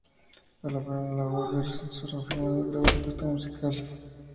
Alabaron la labor de Reznor, afirmando que la propuesta musical fue "interesante y única".